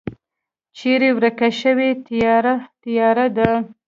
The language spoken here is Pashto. چیری ورک شوی تیاره، تیاره ده